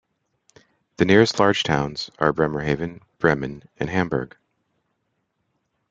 The nearest large towns are Bremerhaven, Bremen and Hamburg.